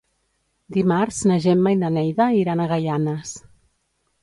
Dimarts na Gemma i na Neida iran a Gaianes.